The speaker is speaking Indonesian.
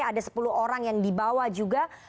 ada sepuluh orang yang dibawa juga